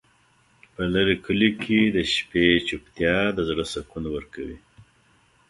په لرې کلیو کې د شپې چوپتیا د زړه سکون ورکوي.